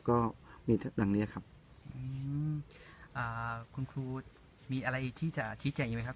ก็มีดังเนี้ยครับอืมอ่าคุณครูมีอะไรที่จะชี้แจงอีกไหมครับ